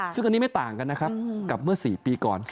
ซึ่งอันนี้ไม่ต่างกันนะครับกับเมื่อ๔ปีก่อน